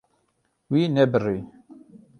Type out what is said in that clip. Wî nebirî.